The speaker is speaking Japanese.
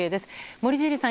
森尻さん